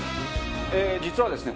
実はですね